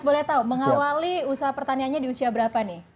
boleh tahu mengawali usaha pertaniannya di usia berapa nih